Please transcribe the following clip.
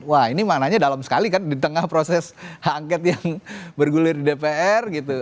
wah ini maknanya dalam sekali kan di tengah proses hak angket yang bergulir di dpr gitu